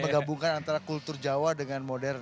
menggabungkan antara kultur jawa dengan modern